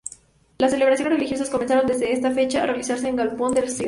Las celebraciones religiosas comenzaron desde esa fecha a realizarse en el galpón del Sr.